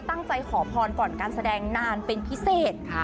ขอพรก่อนการแสดงนานเป็นพิเศษ